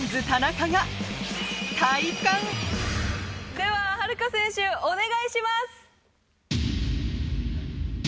では秦留可選手お願いします！